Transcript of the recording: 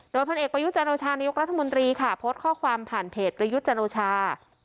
โดยพลเอกประยุจันโอชานายกรัฐมนตรีค่ะโพสต์ข้อความผ่านเพจประยุทธ์จันโอชา